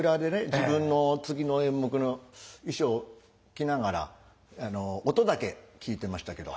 自分の次の演目の衣装着ながら音だけ聞いてましたけど。